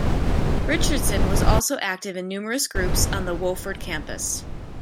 Richardson was also active in numerous groups on the Wofford campus.